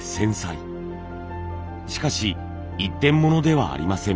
しかし一点ものではありません。